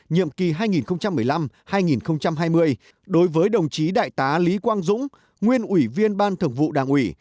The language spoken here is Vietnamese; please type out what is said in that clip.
nhiệm kỳ hai nghìn một mươi năm hai nghìn hai mươi đối với đồng chí đại tá lý quang dũng nguyên ủy viên ban thường vụ đảng ủy